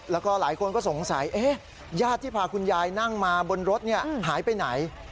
แล้วก็หลายคนก็สงสัยญาติที่พาคุณยายนั่งมาบนรถหายไปไหน